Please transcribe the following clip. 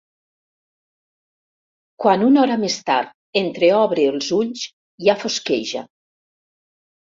Quan una hora més tard entreobre els ulls ja fosqueja.